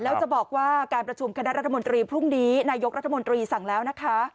แล้วจะบอกว่าการประชุมคณะรัฐมนตรีพรุ่งนี้นายกรัฐมนตรีสั่งแล้วนะคะ